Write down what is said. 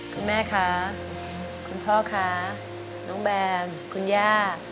คุณแม่คะคุณพ่อคะน้องแบมคุณย่า